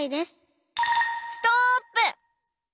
ストップ。